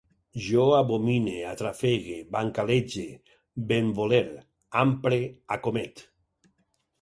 Jo abomine, atrafegue, bancalege, benvoler, ampre, acomet